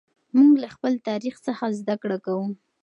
موږ له خپل تاریخ څخه زده کړه کوو.